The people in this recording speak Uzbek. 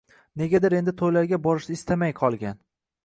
Negadir endi toʻylarga borishni istamay qolgan